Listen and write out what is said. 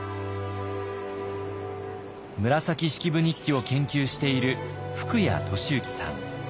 「紫式部日記」を研究している福家俊幸さん。